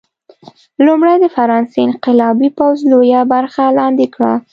لومړی د فرانسې انقلابي پوځ لویه برخه لاندې کړه.